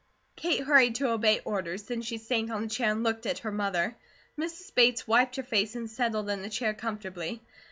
Kate hurried to obey orders; then she sank on a chair and looked at her mother. Mrs. Bates wiped her face and settled in the chair comfortably.